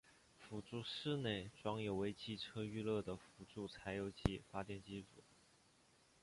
辅助室内装有为机车预热的辅助柴油机发电机组。